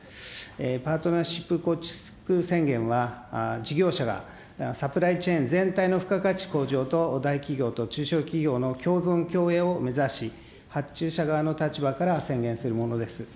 パートナーシップ構築宣言は、事業者がサプライチェーン全体の付加価値向上と、大企業と中小企業の共存共栄を目指し、発注者側の立場から宣言するものです。